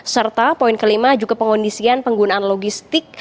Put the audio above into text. serta poin kelima juga pengondisian penggunaan logistik